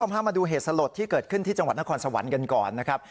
พามาดูเหตุสลดที่เกิดขึ้นที่จังหวัดนครสวรรค์กันก่อนนะครับ